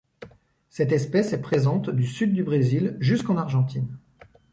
Cette espèce est présente du sud du Brésil jusqu'en Argentine.